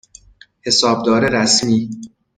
حسابدار رسمی